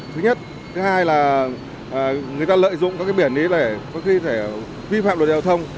thứ nhất thứ hai là người ta lợi dụng các cái biển ấy để có khi phải vi phạm đồn giao thông